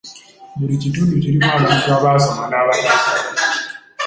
Buli kitundu kirimu abantu abaasoma n'abataasoma.